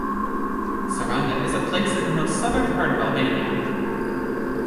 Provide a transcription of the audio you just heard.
Saranda is a place in the most southern part of Albania.